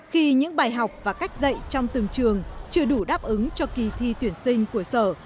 khi những bài học và cách dạy trong từng trường chưa đủ đáp ứng cho kỳ thi tuyển sinh của sở